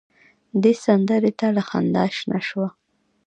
دې سندره ته له خندا شنه شوه.